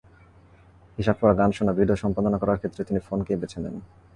হিসাব করা, গান শোনা, ভিডিও সম্পাদনা করার ক্ষেত্রে তিনি ফোনকেই বেছে নেন।